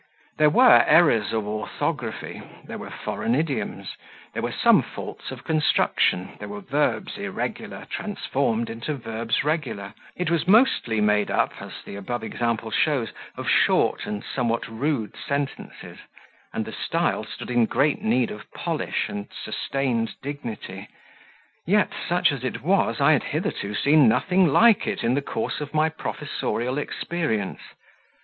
There were errors of orthography, there were foreign idioms, there were some faults of construction, there were verbs irregular transformed into verbs regular; it was mostly made up, as the above example shows, of short and somewhat rude sentences, and the style stood in great need of polish and sustained dignity; yet such as it was, I had hitherto seen nothing like it in the course of my professorial experience.